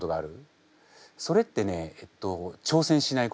それってねえっと挑戦しないこと。